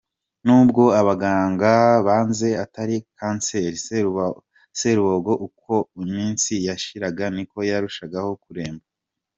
Nubwo abaganga basanze atari kanseri, Serubogo uko iminsi yashiraga niko yarushagaho kuremba.